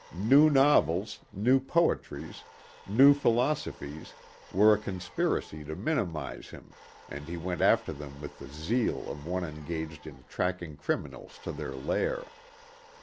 New novels, new poetries, new philosophies were a conspiracy to minimize him and he went after them with the zeal of one engaged in tracking criminals to their lair.